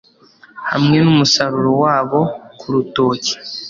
Hamwe n’umusaruro wabo kurutoki